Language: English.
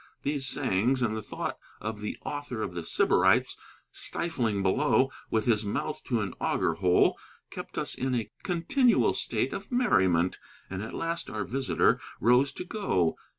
These sayings and the thought of the author of The Sybarites stifling below with his mouth to an auger hole kept us in a continual state of merriment. And at last our visitor rose to go.